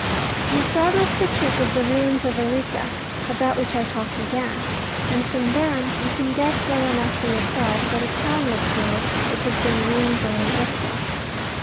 You saw those pictures of the ruins of Arica, about which our talk began; and from them you can guess well enough for yourself what a town looks like which has been ruined by an earthquake.